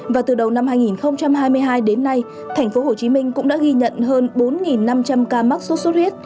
và từ đầu năm hai nghìn hai mươi hai đến nay thành phố hồ chí minh cũng đã ghi nhận hơn bốn năm trăm linh ca mắc xuất xuất huyết